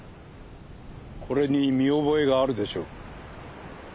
これに見覚えがあるでしょう？